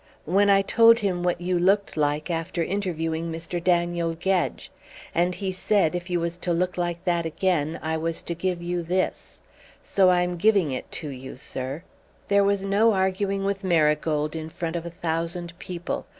"When I told him what you looked like after interviewing Mister Daniel Gedge. And he said, if you was to look like that again I was to give you this. So I'm giving it to you, sir." There was no arguing with Marigold in front of a thousand people.